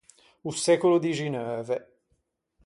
O secolo dixineuve.